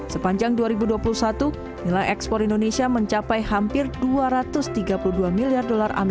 sepanjang dua ribu dua puluh satu nilai ekspor indonesia mencapai hampir rp dua ratus tiga puluh dua miliar